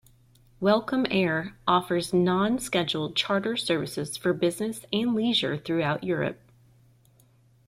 Welcome Air offers non-scheduled charter services for business and leisure throughout Europe.